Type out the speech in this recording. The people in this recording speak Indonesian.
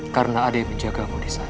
karena ada yang menjagamu disana